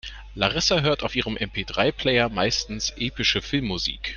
Larissa hört auf ihrem MP-drei-Player meistens epische Filmmusik.